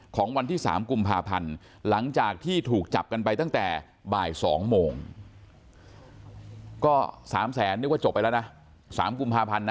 ของวันที่๓กุมภาพันธ์หลังจากที่ถูกจับกันไปตั้งแต่บ่าย๒โมงก็๓แสนนึกว่าจบไปแล้วนะ๓กุมภาพันธ์นะ